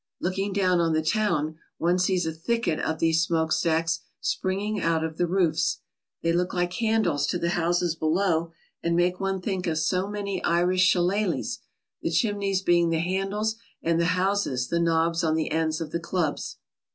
Looking down on the town, one sees a thicket of these smokestacks springing out of the roofs. They look like handles to the houses below, and make one think of so many Irish shillalahs, the chimneys being the handles and the houses the knobs on the ends of the clubs.